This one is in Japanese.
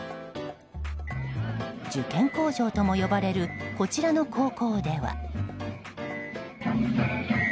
受験工場とも呼ばれるこちらの高校では。